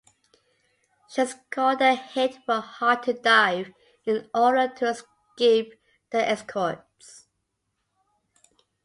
She scored a hit but had to dive in order to escape the escorts.